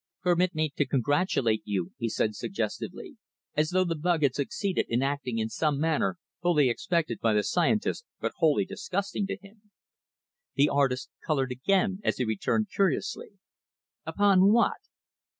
"Permit me to congratulate you," he said suggestively as though the bug had succeeded in acting in some manner fully expected by the scientist but wholly disgusting to him. The artist colored again as he returned curiously, "Upon what?"